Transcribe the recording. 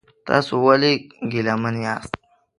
تاسو ولې ګیلمن یاست؟